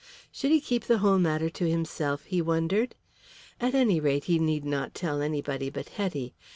Should he keep the whole matter to himself, he wondered. At any rate he need not tell anybody but Hetty.